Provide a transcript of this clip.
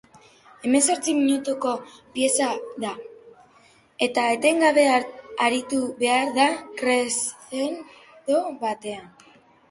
Hemezortzi minutuko pieza da, eta etengabe aritu behar da crescendo batean.